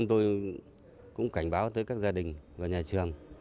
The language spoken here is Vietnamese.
tôi cũng cảnh báo tới các gia đình và nhà trường